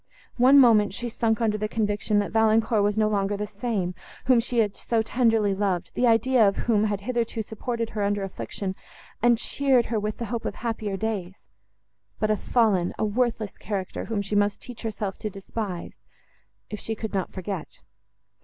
One moment, she sunk under the conviction, that Valancourt was no longer the same, whom she had so tenderly loved, the idea of whom had hitherto supported her under affliction, and cheered her with the hope of happier days,—but a fallen, a worthless character, whom she must teach herself to despise—if she could not forget.